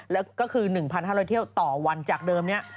แล้วก็คือ๑๕๐๐เที่ยวต่อวันจากเดิมนี้